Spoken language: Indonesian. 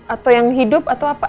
atau yang hidup atau apa